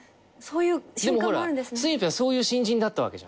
でもほらすみぺはそういう新人だったわけじゃん。